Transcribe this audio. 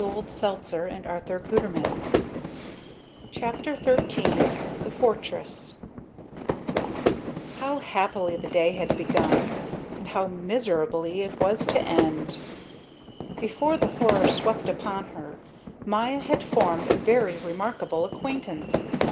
CHAPTER XIII THE FORTRESS How happily the day had begun and how miserably it was to end! Before the horror swept upon her, Maya had formed a very remarkable acquaintance.